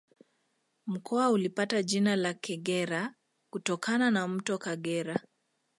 Mkoa ulipata jina la Kagera kutokana na Mto Kagera